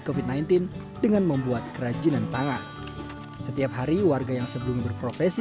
covid sembilan belas dengan membuat kerajinan tangan setiap hari warga yang sebelum berprofesi